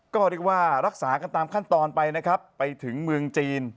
ก็เรียกว่ารักษากันตามขั้นตอนไปนะครับไปถึงเมืองจีน